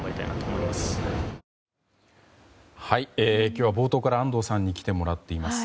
今日は冒頭から安藤さんに来てもらっています。